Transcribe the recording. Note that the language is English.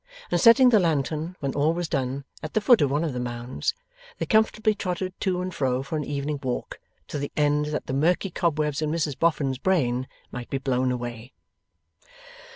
And setting the lantern, when all was done, at the foot of one of the Mounds, they comfortably trotted to and fro for an evening walk, to the end that the murky cobwebs in Mrs Boffin's brain might be blown away.